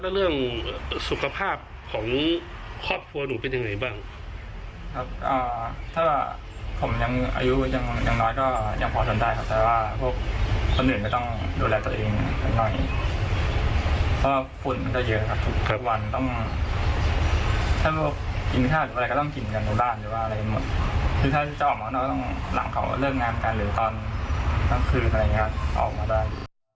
เรื่องงานการเหลือตอนตั้งคืนอะไรอย่างนี้ออกมาได้